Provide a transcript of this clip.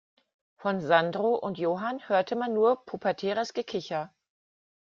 Von Sandro und Johann hörte man nur pubertäres Gekicher.